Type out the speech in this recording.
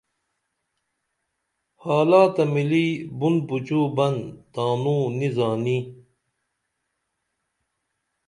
حالاتہ مِلی بُن پچو بن تانوں نی زانی